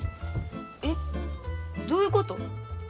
えどういうこと？